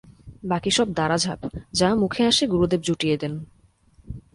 বাকী সব দাঁড়াঝাঁপ, যা মুখে আসে গুরুদেব জুটিয়ে দেন।